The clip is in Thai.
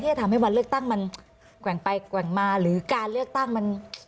จะทำให้วันเลือกตั้งมันแกว่งไปแกว่งมาหรือการเลือกตั้งมัน